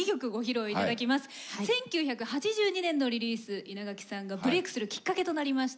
１９８２年のリリース稲垣さんがブレークするきっかけとなりました